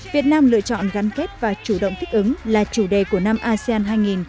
việt nam lựa chọn gắn kết và chủ động thích ứng là chủ đề của năm asean